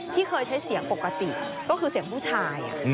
ที่เคยใช้เสียงปกติก็คือเสียงผู้ชาย